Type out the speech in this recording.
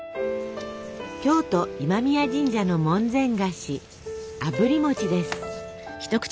京都今宮神社の門前菓子「あぶり餅」です。